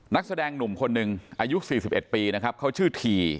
นักแสดงหนุ่มคนหนึ่งอายุ๔๑ปีนะครับเขาชื่อที